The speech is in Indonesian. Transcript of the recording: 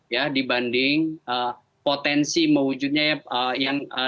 ya dibanding potensi mewujudnya yang